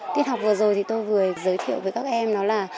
tiết học vừa rồi thì tôi vừa giới thiệu với các em đó là